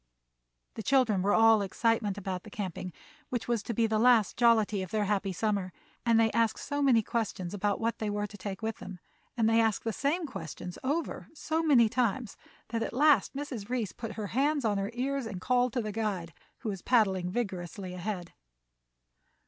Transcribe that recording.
The children were all excitement about the camping, which was to be the last jollity of their happy summer, and they asked so many questions about what they were to take with them, and they asked the same questions over so many times, that at last Mrs. Reece put her hands on her ears and called to the guide, who was paddling vigorously ahead.